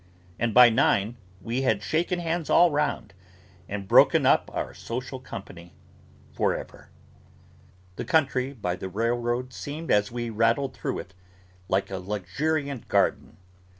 And by nine we had shaken hands all round, and broken up our social company for ever. The country, by the railroad, seemed, as we rattled through it, like a luxuriant garden.